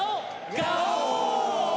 ガオ！